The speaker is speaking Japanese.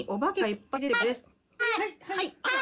はい！